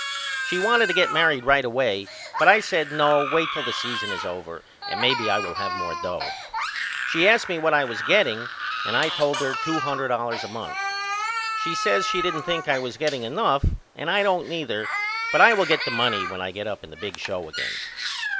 She wanted to get married right away but I said No wait till the season is over and maybe I will have more dough. She asked me what I was getting and I told her two hundred dollars a month. She says she didn't think I was getting enough and I don't neither but I will get the money when I get up in the big show again.